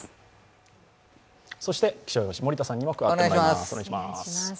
気象予報士・森田さんにも加わってもらいます。